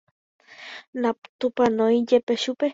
natupãnoijepéi chupe